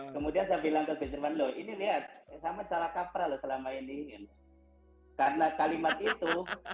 kemudian saya bilang ke bencerman loh ini lihat sama salah kapral selama ini karena kalimat itu